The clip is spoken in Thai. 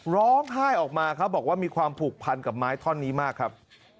ร้องไห้ออกมาครับบอกว่ามีความผูกพันกับไม้ท่อนนี้มากครับ